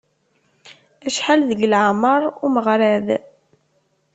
Acḥal deg leεmer umeɣrad?